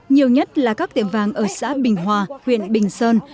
nhiều nhất là các tiệm vàng ở xã bình hòa huyện bình sơn